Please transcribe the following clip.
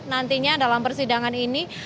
nantinya dalam persidangan ini